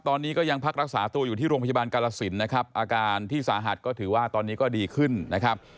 ตอนนี้ก็ยังพักรักษาตัวอยู่ที่โรงพยาบาลกาลสินนะครับอาการที่สาหัสก็ถือว่าตอนนี้ก็ดีขึ้นนะครับ